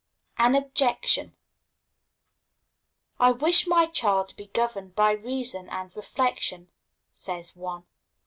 An Objection. "I wish my child to be governed by reason and reflection," says one.